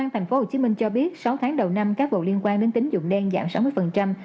công an tp hcm cho biết sáu tháng đầu năm các vụ liên quan đến tính nhục đen giảm sáu mươi